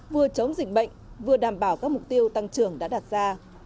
vừa chống dịch bệnh vừa đảm bảo các mục tiêu tăng trưởng đã đặt ra